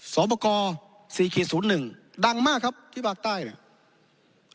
สอบกร๔๐๑ดังมากครับที่ปากใต้เนี่ย